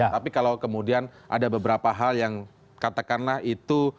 tapi kalau kemudian ada beberapa hal yang katakanlah itu